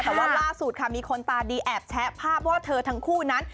แต่ว่าล่าสุดค่ะมีคนตาดีแอบแชะภาพว่าเธอทั้งคู่นั้น